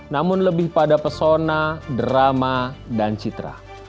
namun lebih pada pesona drama dan citra